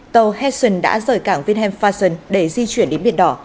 tàu hessen đã rời cảng wilhelm fasen để di chuyển đến biển đỏ